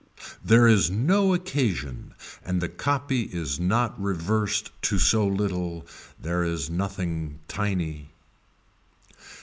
There is no occasion and the copy is not reversed to so little, there is nothing tiny.